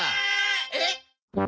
えっ！？